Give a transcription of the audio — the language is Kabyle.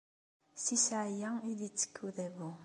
Si ssεaya i d-itekk udabu.